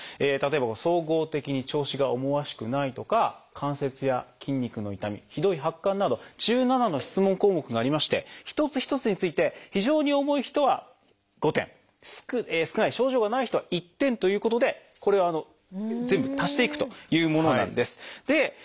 例えば「総合的に調子が思わしくない」とか「関節や筋肉の痛み」「ひどい発汗」など１７の質問項目がありまして一つ一つについて非常に重い人は５点少ない症状がない人は１点ということでこれを全部足していくというものなんです。